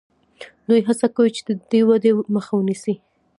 دوی هڅه کوي چې د دې ودې مخه ونیسي.